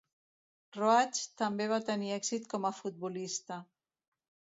Roach també va tenir èxit com a futbolista.